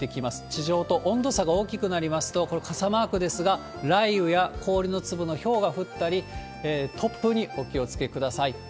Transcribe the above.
地上と温度差が大きくなりますと、これ、傘マークですが、雷雨や氷の粒のひょうが降ったり、突風にお気をつけください。